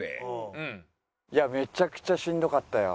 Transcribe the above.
いやめちゃくちゃしんどかったよ。